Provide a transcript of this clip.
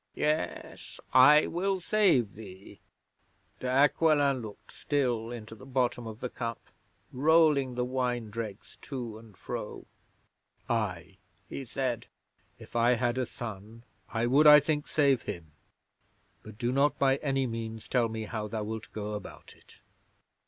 Yes, I will save thee." 'De Aquila looked still into the bottom of the cup, rolling the wine dregs to and fro. '"Ay," he said. "If I had a son, I would, I think, save him. But do not by any means tell me how thou wilt go about it."